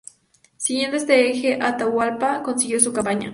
Siguiendo ese eje Atahualpa continuó su campaña.